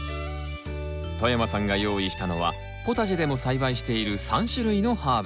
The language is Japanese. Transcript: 外山さんが用意したのはポタジェでも栽培している３種類のハーブ。